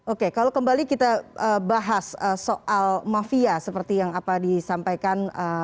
oke kalau kembali kita bahas soal mafia seperti yang apa disampaikan